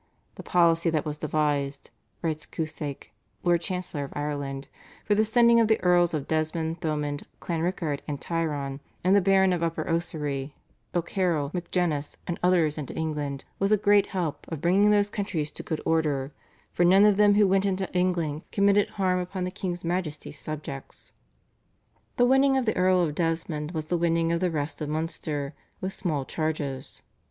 "The policy that was devised," writes Cusacke, Lord Chancellor of Ireland, "for the sending of the Earls of Desmond, Thomond, Clanrickard, and Tyrone, and the Baron of Upper Ossory, O'Carroll, MacGennis, and others into England, was a great help of bringing those countries to good order; for none of them who went into England committed harm upon the King's Majesty's subjects. The winning of the Earl of Desmond was the winning of the rest of Munster with small charges.